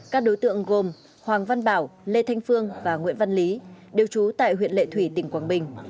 các đối tượng gồm hoàng văn bảo lê thanh phương và nguyễn văn lý đều trú tại huyện lệ thủy tỉnh quảng bình